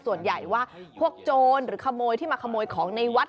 ส่วนใหญ่ว่าพวกโจรหรือขโมยที่มาขโมยของในวัด